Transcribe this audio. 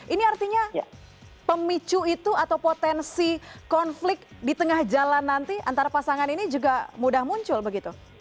ini artinya pemicu itu atau potensi konflik di tengah jalan nanti antara pasangan ini juga mudah muncul begitu